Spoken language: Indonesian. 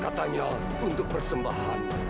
katanya untuk persembahan